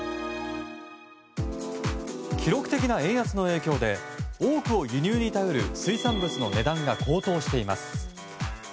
記録的な円安の影響で多くを輸入に頼る水産物の値段が高騰しています。